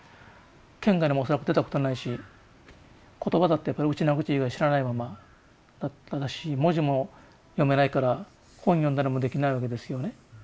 県外にも恐らく出たことないし言葉だってやっぱりウチナーグチ以外知らないままだったし文字も読めないから本読んだりもできないわけですよね。